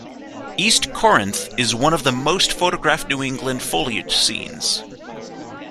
East Corinth is one of the most photographed New England foliage scenes.